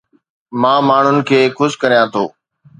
مان ماڻهن کي خوش ڪريان ٿو